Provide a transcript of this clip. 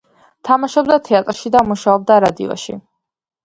თამაშობდა თეატრში და მუშაობდა რადიოში.